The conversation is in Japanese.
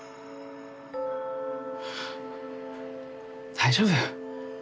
大丈夫。